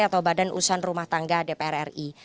atau badan usaha rumah tangga dpr ri